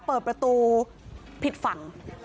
เปิดประตูผิดฝั่ง